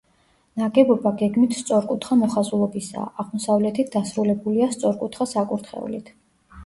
ნაგებობა გეგმით სწორკუთხა მოხაზულობისაა, აღმოსავლეთით დასრულებულია სწორკუთხა საკურთხევლით.